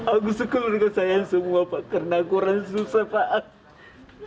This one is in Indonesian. aku suka saya sayang semua pak karena aku orang susah pak